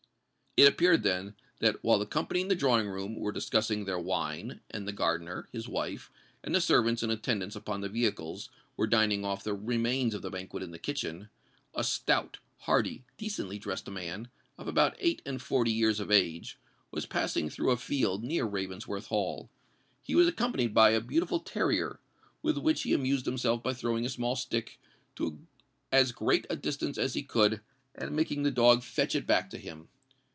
It appeared, then, that while the company in the drawing room were discussing their wine, and the gardener, his wife, and the servants in attendance upon the vehicles, were dining off the remains of the banquet in the kitchen, a stout, hearty, decently dressed man, of about eight and forty years of age, was passing through a field near Ravensworth Hall. He was accompanied by a beautiful terrier, with which he amused himself by throwing a small stick to as great a distance as he could, and making the dog fetch it back to him.